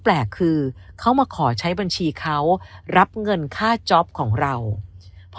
แปลกคือเขามาขอใช้บัญชีเขารับเงินค่าจ๊อปของเราพอ